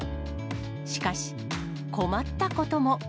しかし、困ったことも。